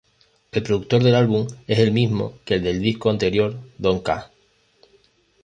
El productor del álbum es el mismo que el del disco anterior "Don-K".